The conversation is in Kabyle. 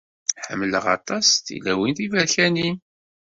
Ḥemmleɣ aṭas tilawin tiberkanin.